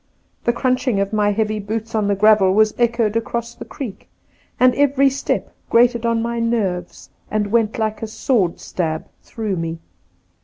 The crunching of my heavy boots on the gravel was echoed across the creek, and every step grated on my nerves and went like a sword stab through me.